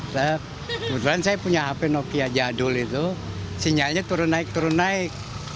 kebetulan saya punya hp nokia jadul itu sinyalnya turun naik turun naik